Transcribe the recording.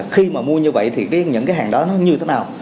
khi mà mua như vậy thì những cái hàng đó nó như thế nào